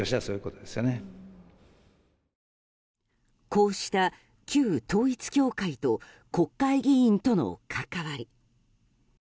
こうした旧統一教会と国会議員との関わり。